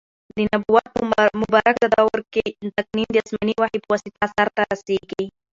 د نبوت په مبارکه دور کي تقنین د اسماني وحي په واسطه سرته رسیږي.